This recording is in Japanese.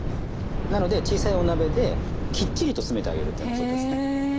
なので小さいお鍋できっちりと詰めてあげるっていうようなことですね。